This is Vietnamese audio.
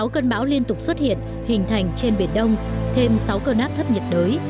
sáu cơn bão liên tục xuất hiện hình thành trên biển đông thêm sáu cơn áp thấp nhiệt đới